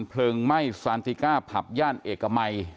เพลิงไหม้ซานติก้าผับย่านเอกมัย